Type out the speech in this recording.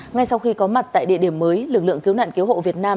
ngay sau khi có mặt tại địa điểm mới lực lượng cứu nạn cứu hộ việt nam